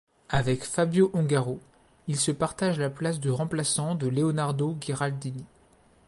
Avec Fabio Ongaro, ils se partagent la place de remplaçant de Leonardo Ghiraldini.